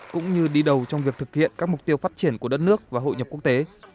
cũng như đi đầu trong việc thực hiện các mục tiêu phát triển của đất nước và hội nhập quốc tế